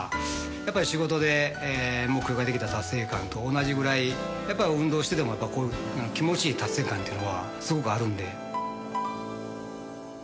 やっぱり仕事で目標ができた達成感と同じぐらいやっぱり運動してでも気持ちいい達成感っていうのはすごくあるんで。